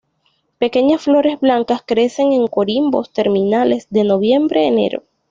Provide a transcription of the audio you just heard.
Pequeñas flores blancas crecen en corimbos terminales de noviembre a enero.